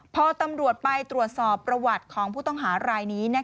พอตำรวจไปตรวจสอบประวัติของผู้ต้องหารายนี้